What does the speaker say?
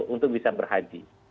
untuk bisa berhaji